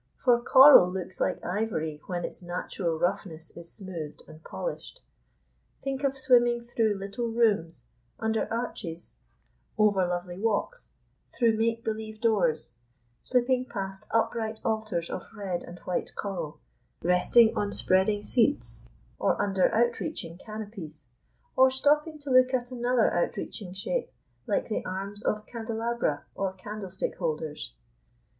For coral looks like ivory when its natural roughness is smoothed and polished. Think of swimming through little rooms, under arches, over lovely walks, through make believe doors, slipping past upright altars of red and white coral, resting on spreading seats, or under outreaching canopies, or stopping to look at another outreaching shape like the arms of candelabra or candlestick holders.